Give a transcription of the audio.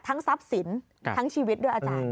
ทรัพย์สินทั้งชีวิตด้วยอาจารย์